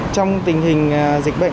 trong tình hình dịch bệnh